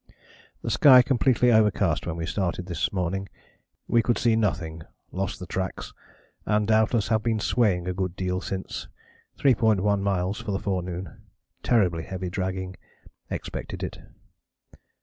"The sky completely overcast when we started this morning. We could see nothing, lost the tracks, and doubtless have been swaying a good deal since 3.1 miles for the forenoon terribly heavy dragging expected it.